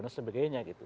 nah sebagainya gitu